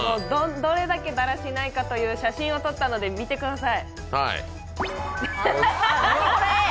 どれだけだらしないかという写真を撮ったので見てください。